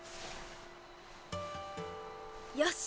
よし！